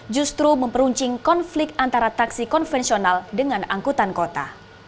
justru memperuncing konflik antara taksi konvensional dengan angkutan kota